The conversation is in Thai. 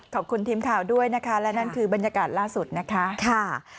ขอบคุณทีมข่าวด้วยนะคะและนั่นคือบรรยากาศล่าสุดนะคะ